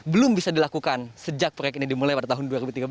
belum bisa dilakukan sejak proyek ini dimulai pada tahun dua ribu tiga belas